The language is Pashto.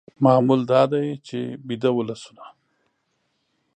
معمول دا دی چې ویده ولسونه